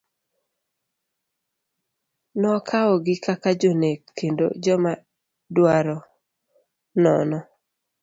Nokawogi kaka jonek kendo jomadwaro nono.